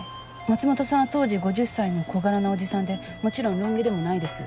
松本さんは当時５０歳の小柄なおじさんでもちろんロン毛でもないです。